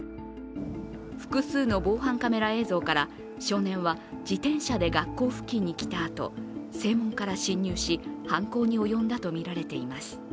複数の防犯カメラ映像から少年は自転車で学校付近に来たあと正門から侵入し、犯行に及んだとみられています。